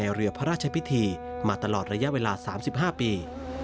เรือพระราชพิธีมาตลอดระยะเวลา๓๕ปี